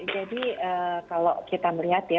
jadi kalau kita melihat